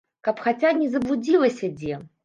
Каб хаця не заблудзіла дзе?